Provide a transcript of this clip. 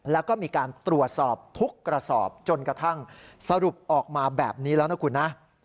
แล้วก็มีการตรวจสอบทุกกระสอบจนกระทั่งสรุปออกมาแบบนี้แล้วนะคุณนะ